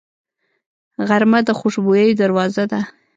غرمه د خوشبویو دروازه ده